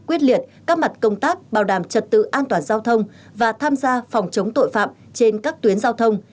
quyết liệt các mặt công tác bảo đảm trật tự an toàn giao thông và tham gia phòng chống tội phạm trên các tuyến giao thông